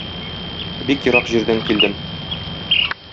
Бик ерак җирдән килдем.